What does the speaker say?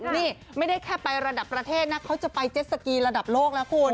นี่ไม่ได้แค่ไประดับประเทศนะเขาจะไปเจ็ดสกีระดับโลกแล้วคุณ